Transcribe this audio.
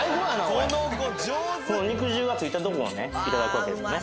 これこの肉汁がついたとこをねいただくわけですね